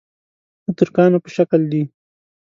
د ترکانو په شکل دي.